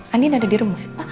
andien ada di rumah